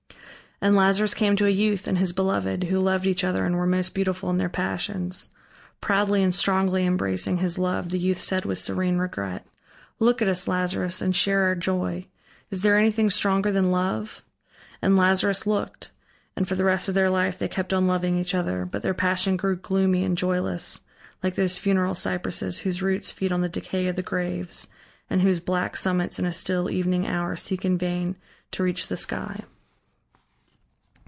And Lazarus came to a youth and his beloved, who loved each other and were most beautiful in their passions. Proudly and strongly embracing his love, the youth said with serene regret: "Look at us, Lazarus, and share our joy. Is there anything stronger than love?" And Lazarus looked. And for the rest of their life they kept on loving each other, but their passion grew gloomy and joyless, like those funeral cypresses whose roots feed on the decay of the graves and whose black summits in a still evening hour seek in vain to reach the sky.